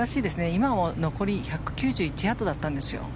今も残り１９１ヤードだったんですよ。